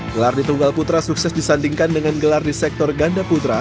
gelar di tunggal putra sukses disandingkan dengan gelar di sektor ganda putra